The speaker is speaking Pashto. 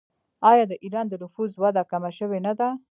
آیا د ایران د نفوس وده کمه شوې نه ده؟